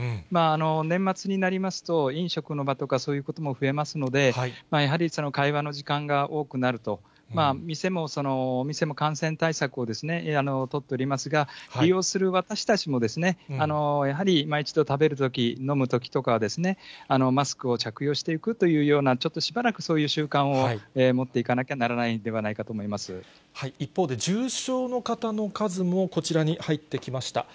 年末になりますと、飲食の場とか、そういうことも増えますので、やはり会話の時間が多くなると、お店も感染対策を取っておりますが、利用する私たちも、やはり今一度、食べるとき、飲むときとか、マスクを着用していくというような、ちょっとしばらくそういう習慣を持っていかなきゃならないんでは一方で、重症の方の数もこちらに入ってきました。